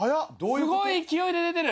すごい勢いで出てる。